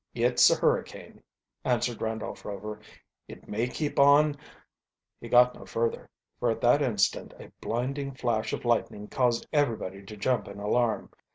"It's a hurricane," answered Randolph Rover, "It may keep on " He got no further, for at that instant a blinding flash of lightning caused everybody to jump in alarm.